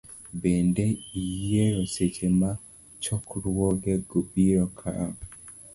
Bende, iyier seche ma chokruogego biro kawo .